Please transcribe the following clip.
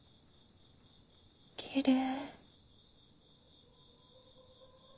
きれい。